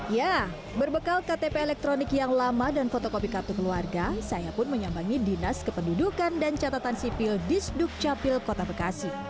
ya berbekal ktp elektronik yang lama dan fotokopi kartu keluarga saya pun menyambangi dinas kependudukan dan catatan sipil di sdukcapil kota bekasi